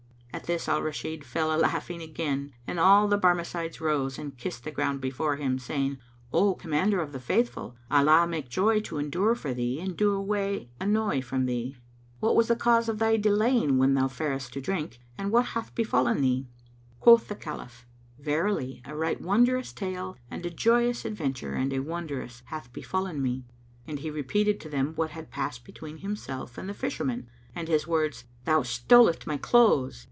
At this Al Rashid fell a laughing again and all the Barmecides rose and kissed the ground before him, saying, "O Commander of the Faithful, Allah make joy to endure for thee and do away annoy from thee! What was the cause of thy delaying when thou faredst to drink and what hath befallen thee?" Quoth the Caliph, "Verily, a right wondrous tale and a joyous adventure and a wondrous hath befallen me." And he repeated to them what had passed between himself and the Fisherman and his words, "Thou stolest my clothes!"